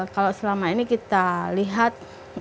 kalau selama ini kita lihat